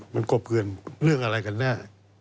มันกบเกลือนเรื่องอะไรกันแน่